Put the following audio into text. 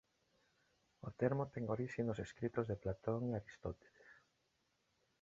O termo ten orixe nos escritos de Platón e Aristóteles.